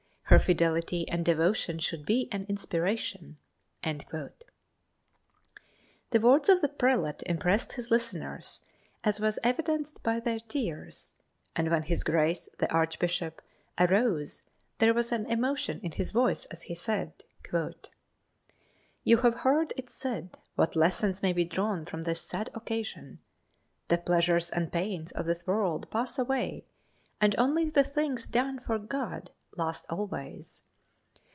Her fidelity and devotion should be an inspiration." The words of the prelate impressed his listeners, as was evidenced by their tears, and when his Grace, the Archbishop, arose there was emotion in his voice as he said: "You have heard it said what lessons may be drawn from this sad occasion. The pleasures and pains of this world pass away, and only the things done for God last always.